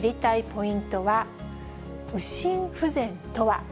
ポイントは、右心不全とは。